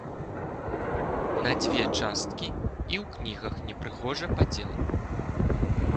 На дзве часткі і ў кнігах не прыгожа падзел.